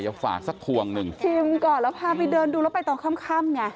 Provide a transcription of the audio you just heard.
ฝากสักพวงหนึ่งชิมก่อนแล้วพาไปเดินดูแล้วไปตอนค่ำไง